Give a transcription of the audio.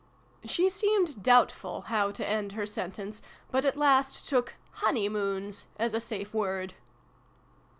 She seemed doubtful how to end her sentence, but at last took " honeymoons " as a safe word.